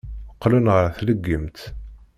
Qqlen ɣer tleggimt.